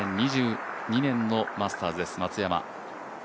２０２２年のマスターズです、松山。